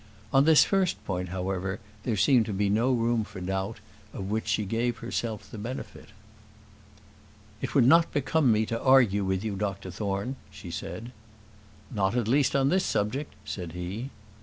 On this first point, however, there seemed to be no room for doubt, of which she gave herself the benefit. "It would not become me to argue with you, Dr Thorne," she said. "Not at least on this subject," said he.